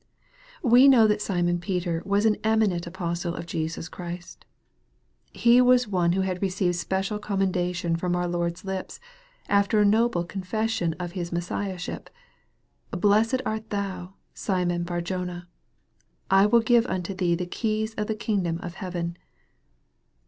We know that Simon Peter was an eminent apostle of Jesus Christ. He was one who had received special commen dation from our Lord's lips, after a noble confession of His Messiahship :" Blessed art thou, Simon Bar jona :"" I will give unto thee the keys of the kingdom of heaven."